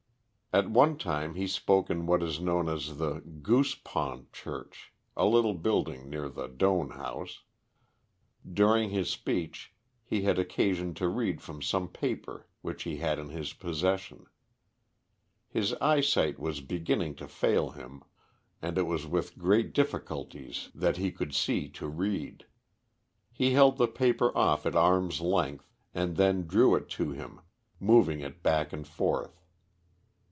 At one time he spoke in what is known as the goose pond church, a little building near the Doane House. During his speech, he had occasion to read from some paper which he had in his posession. His eyesight was beginning to fail him; and it was with great difficulties that he could see to read. He held the paper off at arm's length, and then drew it to him, moving it back and forth.